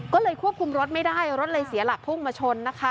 ก็เลยควบคุมรถไม่ได้รถเลยเสียหลักพุ่งมาชนนะคะ